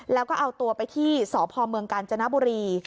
แล้วก็เอาตัวไปที่สพเมืองกาญจนบุรี